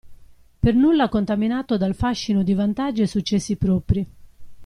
Per nulla contaminato dal fascino di vantaggi e successi propri.